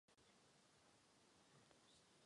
Doprovázela ho skupina The Band.